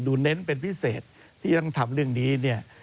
ดูเน้นเป็นพิเศษที่ยังทำเรื่องนี้